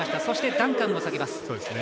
そして、ダンカンも下げます。